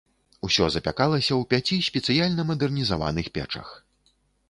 Усё запякалася ў пяці спецыяльна мадэрнізаваных печах.